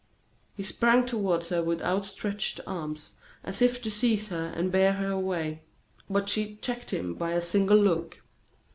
He sprang toward her with outstretched arms, as if to seize her and bear her away; but she checked him by a single look.